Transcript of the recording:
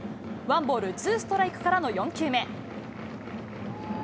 ワンボールツーストライクからの４球目。